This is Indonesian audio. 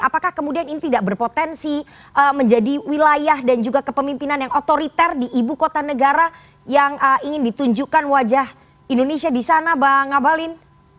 apakah kemudian ini tidak berpotensi menjadi wilayah dan juga kepemimpinan yang otoriter di ibu kota negara yang ingin ditunjukkan wajah indonesia di sana bang abalin